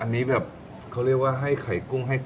อันนี้แบบเค้าเรียกว่าให้ไข่กุ้งให้เครื่อง